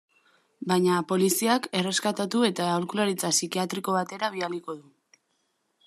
Baina poliziak erreskatatu eta aholkularitza psikiatriko batera bidaliko du.